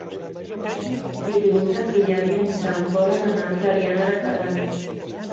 Dilluns en Guillem i en Sam volen anar a Clariana de Cardener.